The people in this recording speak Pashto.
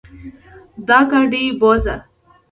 دا ګاډې بوځه.